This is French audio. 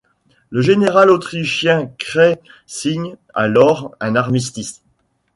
Le général autrichien Kray signe alors un armistice.